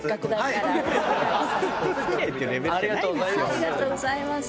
ありがとうございます。